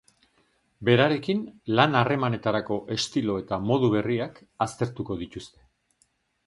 Berarekin, lan harremanetarako estilo eta modu berriak aztertuko dituzte.